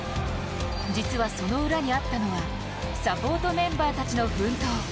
実はその裏にあったのはサポートメンバーたちの奮闘。